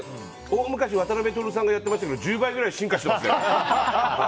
大昔、渡辺徹さんがやってましたけど１０倍ぐらい進化してますよ。